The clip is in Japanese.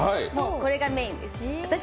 これがメインです。